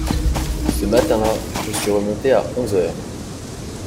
Ce matin-là, je suis remonté à onze heures.